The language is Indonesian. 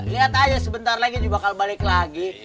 lihat aja sebentar lagi bakal balik lagi